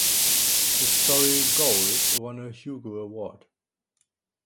The story "Gold" won a Hugo Award.